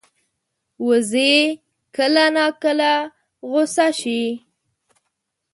وزې کله ناکله غوسه شي